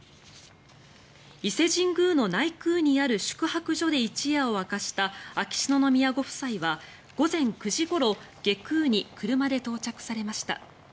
伊勢神宮の内宮にある宿泊所で一夜を明かした秋篠宮ご夫妻は午前９時ごろ外宮に車で到着されました。